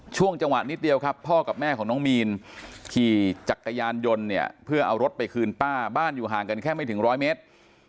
ช่วงจังหวะนิดเดียวครับพ่อกับแม่ของน้องมีนขี่จักรยานยนต์เนี่ยเพื่อเอารถไปคืนป้าบ้านอยู่ห่างกันแค่ไม่ถึงร้อยเมตร